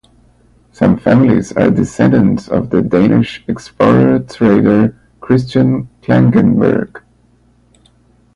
Some families are descendants of the Danish explorer-trader Christian Klengenberg.